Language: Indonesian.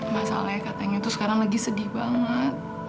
masalahnya katanya tuh sekarang lagi sedih banget